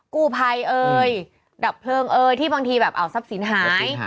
กู้ภัยเอ่ยดับเพลิงเอ่ยที่บางทีแบบเอาทรัพย์สินหาย